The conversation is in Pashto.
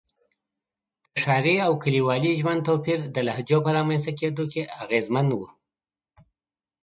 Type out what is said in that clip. د ښاري او کلیوالي ژوند توپیر د لهجو په رامنځته کېدو کې اغېزمن و.